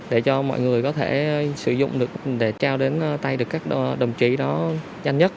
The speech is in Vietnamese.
để cho mọi người có thể sử dụng được để trao đến tay được các đồng chí nó nhanh nhất